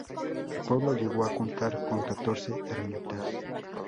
El pueblo llegó a contar con catorce ermitas.